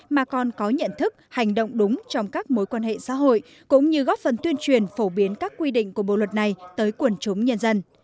mà còn có nhận thức hành động đúng trong các mối quan hệ xã hội cũng như góp phần tuyên truyền phổ biến các quy định của bộ luật này tới quần chúng nhân dân